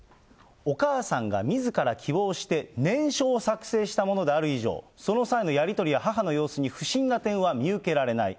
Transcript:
お母さんがみずから希望して念書を作成したものである以上、その際のやり取りや母の様子に不審な点は見受けられない。